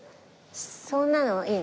そんなのいいの？